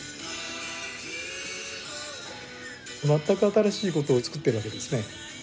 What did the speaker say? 全く新しいことを作っているわけですね。